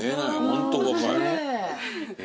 ホントお若い。